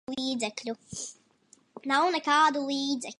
Nav nekādu līdzekļu.